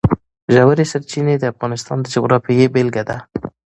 ژورې سرچینې د افغانستان د جغرافیې بېلګه ده.